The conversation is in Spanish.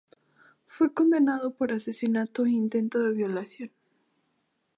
Fue condenado por asesinato e intento de violación.